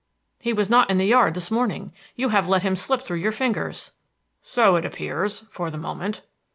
"He was not in the yard this morning. You have let him slip through your fingers." "So it appears, for the moment."